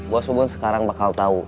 bos bubun sekarang bakal tau